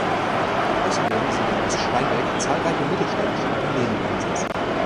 Außerdem sind in Oststeinbek zahlreiche mittelständische Unternehmen ansässig.